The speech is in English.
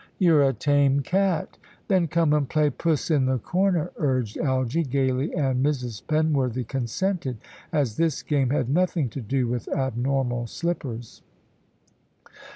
You're a tame cat." "Then come and play Puss in the Corner," urged Algy, gaily, and Mrs. Penworthy consented, as this game had nothing to do with abnormal slippers.